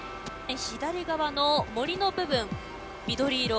左側の森の部分、緑色。